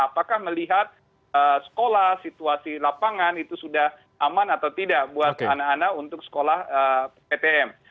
apakah melihat sekolah situasi lapangan itu sudah aman atau tidak buat anak anak untuk sekolah ptm